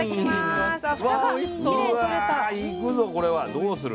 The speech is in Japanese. どうする？